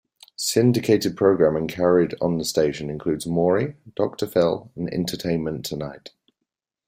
Syndicated programming carried on the station includes "Maury", "Dr. Phil" and "Entertainment Tonight".